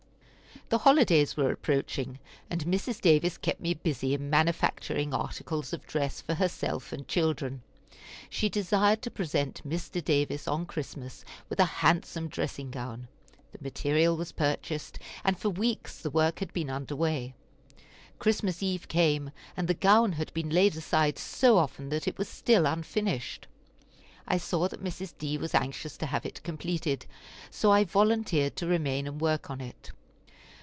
The holidays were approaching, and Mrs. Davis kept me busy in manufacturing articles of dress for herself and children. She desired to present Mr. Davis on Christmas with a handsome dressing gown. The material was purchased, and for weeks the work had been under way. Christmas eve came, and the gown had been laid aside so often that it was still unfinished. I saw that Mrs. D. was anxious to have it completed, so I volunteered to remain and work on it.